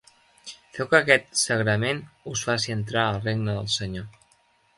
Feu que aquest sagrament us faci entrar al regne del Senyor.